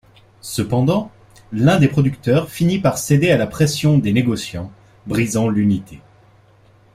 Cependant, l'un des producteurs finit par céder à la pression des négociants, brisant l'unité.